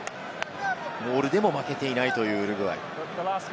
モールでも負けていないというウルグアイ。